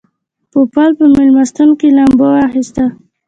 پوپل په مېلمستون کې لامبو واخیسته.